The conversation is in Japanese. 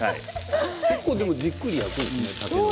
結構たけのこじっくり焼くんですね。